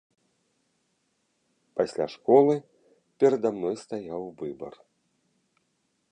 Пасля школы перада мной стаяў выбар.